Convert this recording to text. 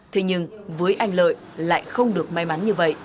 thế nhưng với anh lợi lại không được may mắn